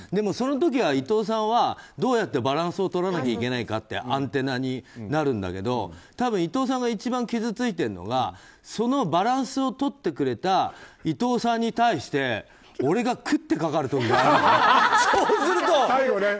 その時、伊藤さんはどうやってバランスとらないといけないかっていうアンテナになるんだけど多分伊藤さんが一番傷ついているのがそのバランスをとってくれた伊藤さんに対して俺が食ってかかる時があること。